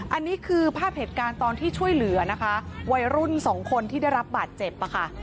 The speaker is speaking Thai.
อันนี้คือภาพเหตุการณ์ตอนที่ช่วยเหลือนะคะวัยรุ่นสองคนที่ได้รับบาดเจ็บค่ะ